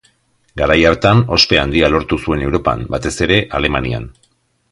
Garai hartan, ospe handia lortu zuen Europan, batez ere Alemanian.